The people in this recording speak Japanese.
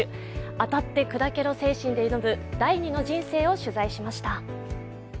当たって砕けろ精神で挑む、第二の人生を取材しました。